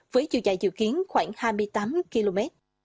với chiều dài dự kiến khoảng hai mươi tám km